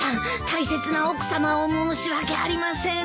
大切な奥さまを申し訳ありません。